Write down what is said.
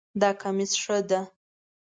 دا کمیس ښه ده